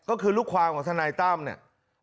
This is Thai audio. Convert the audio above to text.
ก็คือลูกความของทนายตั้มเนี่ย